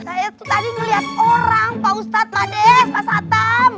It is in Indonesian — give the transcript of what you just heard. saya tuh tadi melihat orang pak ustadz pak des pak satam